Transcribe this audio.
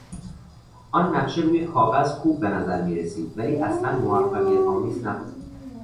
آن نقشه روی کاغذ خوب به نظر میرسید ولی اصلا موفقیت آمیز نبود.